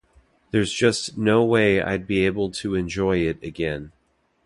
There’s just no way I’d be able to enjoy it again.